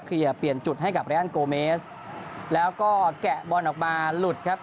เปลี่ยนจุดให้กับเรอันโกเมสแล้วก็แกะบอลออกมาหลุดครับ